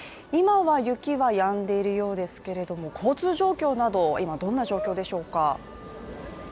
今は雪は止んでいるようですけれども交通状況などを今どんな状況でしょうか？